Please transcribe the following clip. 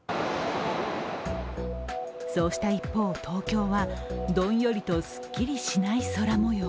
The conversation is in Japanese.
そうした一方、東京はどんよりと、すっきりしない空模様